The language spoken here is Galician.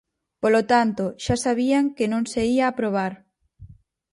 Polo tanto, xa sabían que non se ía aprobar.